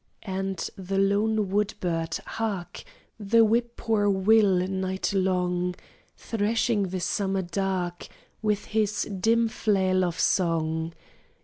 And the lone wood bird Hark, The whippoorwill night long Threshing the summer dark With his dim flail of song!